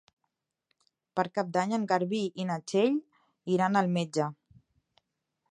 Per Cap d'Any en Garbí i na Txell iran al metge.